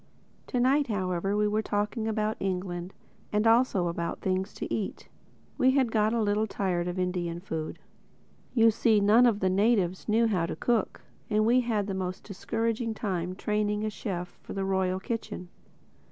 To night however we were talking about England—and also about things to eat. We had got a little tired of Indian food. You see, none of the natives knew how to cook; and we had the most discouraging time training a chef for the Royal Kitchen.